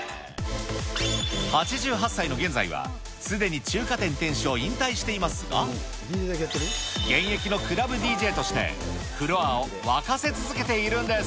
８８歳の現在は、すでに中華店店主を引退していますが、現役のクラブＤＪとしてフロアを沸かせ続けているんです。